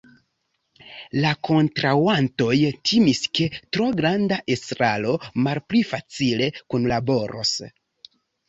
La kontraŭantoj timis ke tro granda estraro malpli facile kunlaboros.